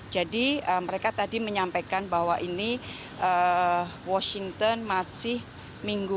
jadi mereka tadi menyampaikan bahwa ini washington masih minggu